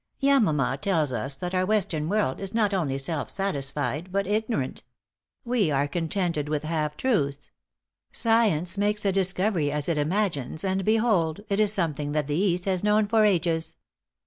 "Yamama tells us that our Western world is not only self satisfied, but ignorant. We are contented with half truths. Science makes a discovery, as it imagines, and, behold! it is something that the East has known for ages."